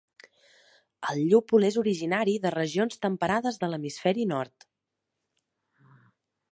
El llúpol és originari de regions temperades de l'hemisferi nord.